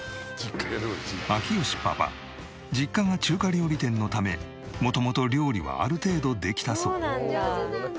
明慶パパ実家が中華料理店のため元々料理はある程度できたそう。